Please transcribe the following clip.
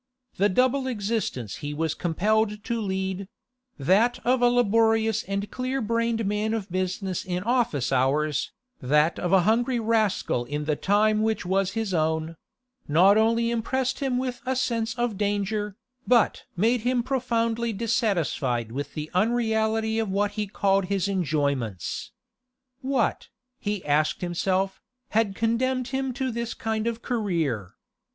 The double existence he was compelled to lead—that of a laborious and clear brained man of business in office hours, that of a hungry rascal in the time which was his own—not only impressed him with a sense of danger, but made him profoundly dissatisfied with the unreality of what he called his enjoyments. What, he asked himself, had condemned him to this kind of career?